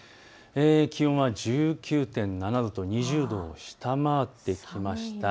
気温は１９．７度と２０度を下回ってきました。